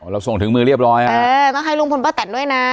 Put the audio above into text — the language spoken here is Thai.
ส่งถึงมือเรียบร้อยอ่ะเออมาให้ลุงพลป้าแตนด้วยนะ